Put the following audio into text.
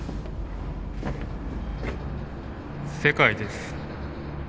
世界です。